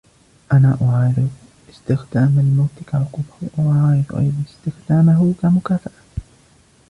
أنا أعارض إستخدام الموت كعقوبة, و أعارض أيضاً إستخدامهُ كمكافأة.